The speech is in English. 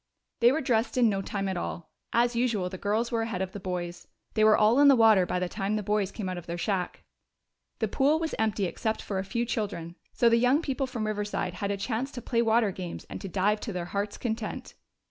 They were dressed in no time at all; as usual the girls were ahead of the boys. They were all in the water by the time the boys came out of their shack. The pool was empty except for a few children, so the young people from Riverside had a chance to play water games and to dive to their hearts' content.